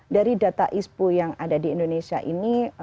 dari data ispu yang ada di indonesia ini